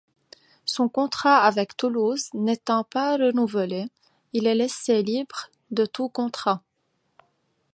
Son contrat avec Toulouse n'étant pas renouvelé, il est laissé libre de tout contrat.